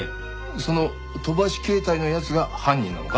その飛ばし携帯の奴が犯人なのか？